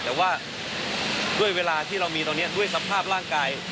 แต่ว่าด้วยเวลาที่เรามีตอนนี้ด้วยสภาพร่างกาย